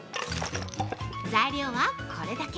材料は、これだけ。